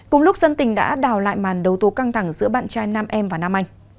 cùng lúc dân tình đã đào lại màn đấu tố căng thẳng giữa bạn trai nam em và nam anh